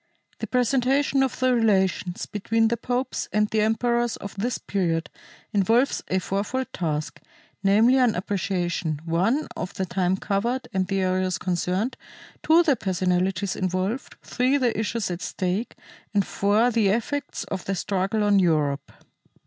The presentation of the relations between the popes and the emperors of this period involves a fourfold task, namely an appreciation (1) of the time covered and the areas concerned, (2) the personalities involved, (3) the issues at stake, and (4) the effects of the struggle on Europe.